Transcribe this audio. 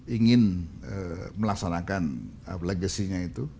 ingin melaksanakan legasinya itu